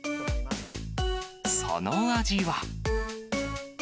その味は。